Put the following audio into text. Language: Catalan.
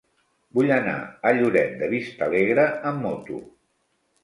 Vull anar a Lloret de Vistalegre amb moto.